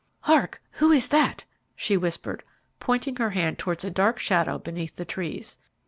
"Hark! Who is that?" she whispered, pointing her hand towards a dark shadow beneath the trees.